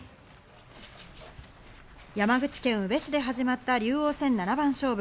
山口県宇部市で始まった竜王戦七番勝負。